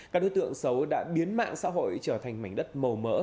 các đối tượng xấu đã biến mạng xã hội trở thành mảnh đất màu mỡ